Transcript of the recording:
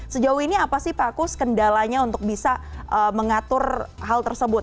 sejauh ini apa sih pak kus kendalanya untuk bisa mengatur hal tersebut